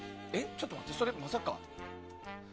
ちょっと待ってそれまさか。